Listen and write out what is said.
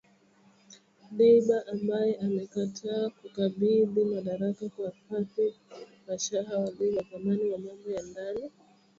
Dbeibah ambaye amekataa kukabidhi madaraka kwa Fathi Bashagha, waziri wa zamani wa mambo ya ndani aliyetajwa na bunge kama waziri mkuu.